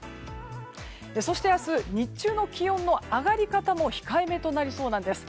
そして明日日中の気温の上がり方も控えめとなりそうです。